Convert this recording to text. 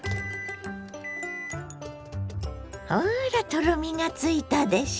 ほらとろみがついたでしょ。